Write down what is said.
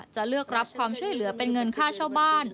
จะเลือกรับความช่วยเหลือเป็นเงินค่าเช่าบ้าน